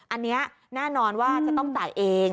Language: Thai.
อันนี้แน่นอนว่าจะต้องจ่ายเอง